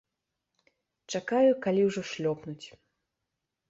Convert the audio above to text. Чакаю, калі ўжо шлёпнуць.